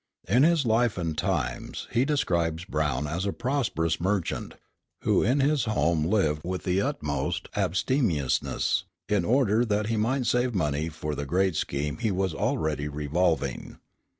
In his Life and Times he describes Brown as a prosperous merchant, who in his home lived with the utmost abstemiousness, in order that he might save money for the great scheme he was already revolving.